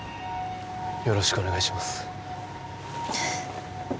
よろしくお願いします